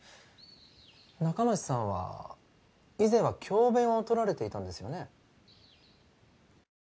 仲町さんは以前は教べんをとられていたんですよね？